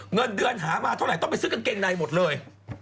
เงินเดือนหามาเท่าไหร่ต้องไปซื้อกางเกงในหมดเลย